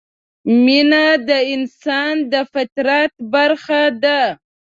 مینه د انسان د فطرت برخه ده.